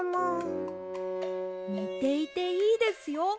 ねていていいですよ。